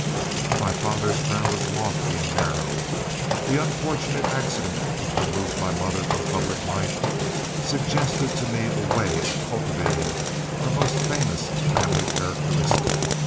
My father's brow is lofty and narrow. The unfortunate accident which removed my mother from public life, suggested to me a way of cultivating our most famous family characteristic.